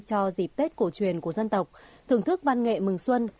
cho dịp tết cổ truyền của dân tộc thưởng thức văn nghệ mừng xuân